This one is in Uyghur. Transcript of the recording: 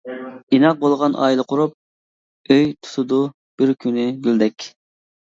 ئىناق بولغان ئائىلە قۇرۇپ، ئۆي تۇتىدۇ بىر كۈنى گۈلدەك.